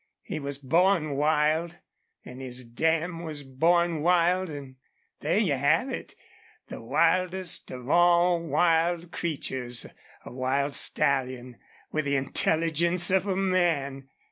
He was born wild, an' his dam was born wild, an' there you have it. The wildest of all wild creatures a wild stallion, with the intelligence of a man!